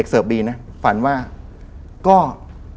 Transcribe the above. ก็เกิดมาคืนฉันฝัน